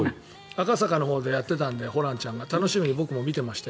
赤坂のほうでやってたのでホランちゃんが楽しみに僕も見ました。